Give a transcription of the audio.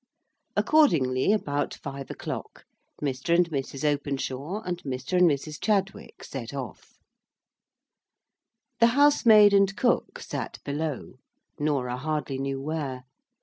Accordingly, about five o'clock, Mr. and Mrs. Openshaw and Mr. and Mrs. Chadwick set off. The housemaid and cook sate below, Norah hardly knew where.